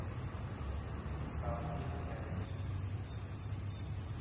Martin Edwards